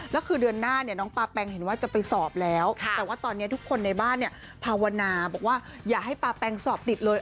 แล้วคือเดือนหน้าเนี่ยน้องปาแปงเห็นว่าจะไปสอบแล้วแต่ว่าตอนนี้ทุกคนในบ้านเนี่ยภาวนาบอกว่าอย่าให้ปาแปงสอบติดเลย